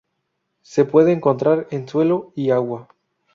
Se puede encontrar en suelo y agua.